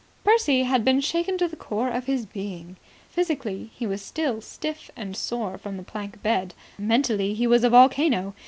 Percy had been shaken to the core of his being. Physically, he was still stiff and sore from the plank bed. Mentally, he was a volcano.